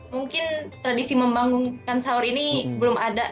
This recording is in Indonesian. mungkin tradisi membangunkan sahur ini belum ada